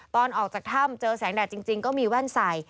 ตอนออกจากถ้ำเจอแสงแดดจริงก็มีแว่นใส่